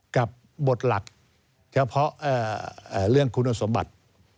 กับบทหลักเฉพาะเรื่องคุณสมบัติ